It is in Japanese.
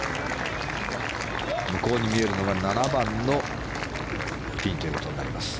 向こうに見えるのが７番のピンということになります。